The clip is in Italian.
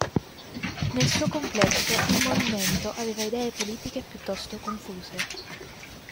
Nel suo complesso il movimento aveva idee politiche piuttosto confuse.